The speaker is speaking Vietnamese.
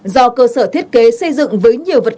do cơ sở thiết kế xây dựng với nhiều vật dụng